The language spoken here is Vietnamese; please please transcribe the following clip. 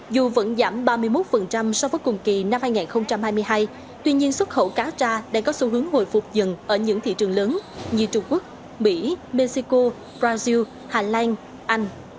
dù vẫn giảm ba mươi một so với cùng kỳ năm hai nghìn hai mươi hai tuy nhiên xuất khẩu cá tra đang có xu hướng hồi phục dần ở những thị trường lớn như trung quốc mỹ mexico brazil hà lan anh